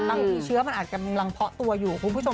บางทีเชื้อมันอาจจะกำลังเพาะตัวอยู่คุณผู้ชม